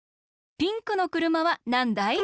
ピンクの車はなんだい？